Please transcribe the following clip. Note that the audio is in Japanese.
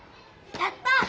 やった！